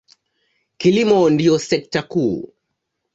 Kilimo ndiyo sekta kuu.